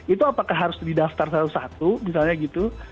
itu apakah harus didaftar satu satu misalnya gitu